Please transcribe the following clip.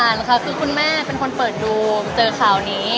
ค่ะคือคุณแม่เป็นคนเปิดดูเจอข่าวนี้